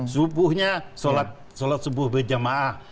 subuhnya sholat subuh bejamah